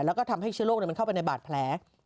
แล้วก็ทำให้เชื้อโรคมันเข้าไปในบาดแผล